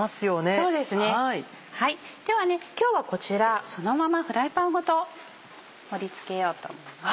では今日はこちらそのままフライパンごと盛り付けようと思います。